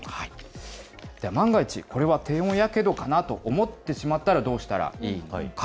では、万が一、これは低温やけどかなと思ってしまったら、どうしたらいいのか。